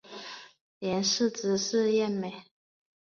阎氏姿色艳美。